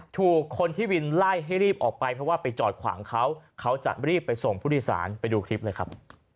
ถูกคนที่วินไล่ให้รีบออกไปเพราะว่าไปจอดขวางเขาเขาจะรีบไปส่งผู้โดยสารไปดูคลิปเลยครับ